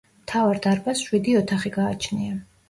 მთავარ დარბაზს შვიდი ოთახი გააჩნია.